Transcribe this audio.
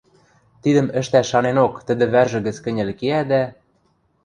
Тидӹм ӹштӓш шаненок, тӹдӹ вӓржӹ гӹц кӹньӹл кеӓ дӓ: